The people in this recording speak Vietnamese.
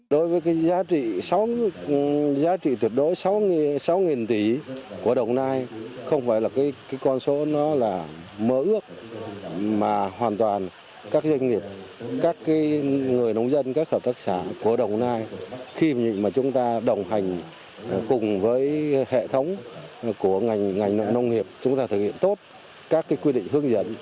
đối với giá trị tuyệt đối sáu tỷ của đồng nai không phải là con số mớ ước mà hoàn toàn các doanh nghiệp các người nông dân các khợp tác xã của đồng nai khi mà chúng ta đồng hành cùng với hệ thống của ngành nông nghiệp chúng ta thực hiện tốt các quy định hướng dẫn